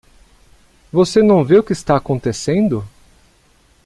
Você não vê o que está acontecendo?